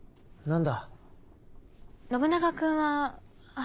何だ？